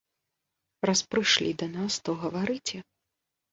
Раз прышлі да нас, то гаварыце.